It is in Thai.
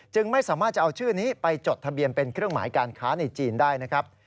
ไม่สามารถจะเอาชื่อนี้ไปจดทะเบียนเป็นเครื่องหมายการค้าในจีนได้นะครับ